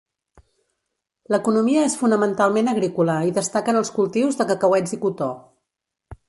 L'economia és fonamentalment agrícola i destaquen els cultius de cacauets i cotó.